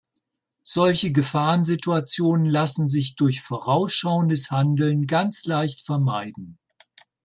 Solche Gefahrensituationen lassen sich durch vorausschauendes Handeln ganz leicht vermeiden.